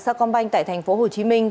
sa công banh tại thành phố hồ chí minh